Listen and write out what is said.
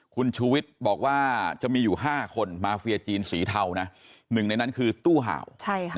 คุณชูวิทย์บอกว่าจะมีอยู่๕คนมาเฟียจีนสีเทานะหนึ่งในนั้นคือตู้เห่า